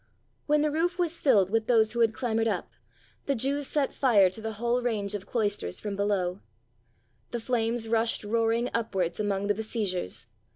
When the roof was filled with those who had clam bered up, the Jews set fire to the whole range of cloisters from below. The flames rushed roaring upwards among the besiegers.